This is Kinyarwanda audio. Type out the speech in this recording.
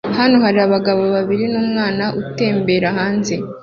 Hano hari abagabo babiri numwana utembera hanze